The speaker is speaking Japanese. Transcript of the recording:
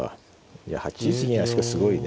いや８一銀はしかしすごいね。